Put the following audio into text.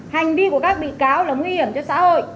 hành vi của các bị cáo là nguy hiểm cho xã hội